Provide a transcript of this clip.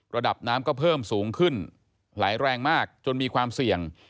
ระดับน้ำก็เพิ่มสูงขึ้นไหลแรงมากจนมีความเสี่ยง